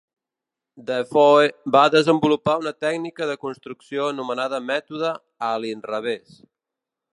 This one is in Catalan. Defoe va desenvolupar una tècnica de construcció anomenada mètode "a l'inrevés".